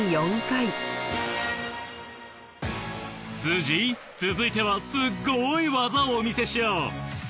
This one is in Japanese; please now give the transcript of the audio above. スージー続いてはすっごい技をお見せしよう。